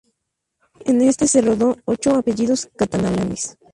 En este se rodó "Ocho apellidos catalanes".